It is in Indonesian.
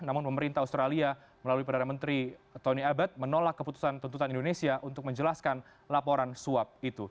namun pemerintah australia melalui perdana menteri tony abed menolak keputusan tuntutan indonesia untuk menjelaskan laporan suap itu